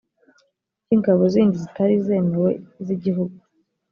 cy ingabo zindi zitari izemewe z igihugu